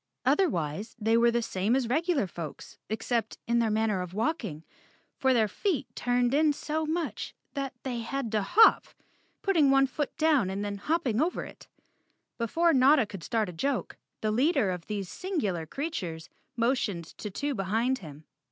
Otherwise they were the same as regular folks, except 132 _ Chapter Ten in their manner of walking, for their feet turned in so much that they had to hop, putting one foot down and then hopping over it. Before Notta could start a joke, the leader of these singular creatures motioned to two behind him.